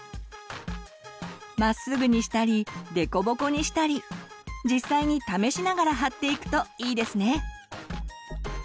まっすぐにしたりデコボコにしたり実際に試しながら貼っていくといいですね。